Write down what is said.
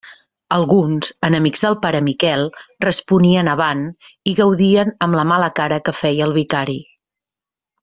Alguns, enemics del pare Miquel, responien «Avant!», i gaudien amb la mala cara que feia el vicari.